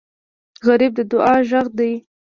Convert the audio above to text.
غریب د دعا غږ دی